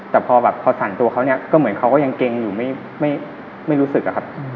แต่พอสั่นตัวเขาก็เหมือนเขายังเกงอยู่ไม่รู้สึก